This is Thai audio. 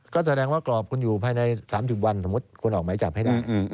ก็แสดงว่ากรอบคุณอยู่ภายใน๓๐วันสมมุติคุณออกหมายจับให้ได้